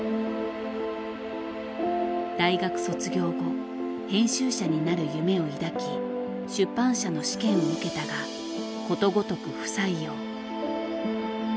大学卒業後編集者になる夢を抱き出版社の試験を受けたがことごとく不採用。